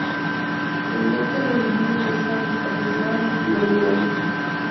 El Neckar le divide en dos partes aproximadamente igual de grandes.